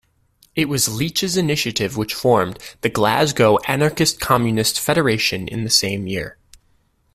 It was Leech's initiative which formed the Glasgow Anarchist-Communist Federation in the same year.